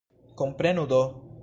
Komprenu do!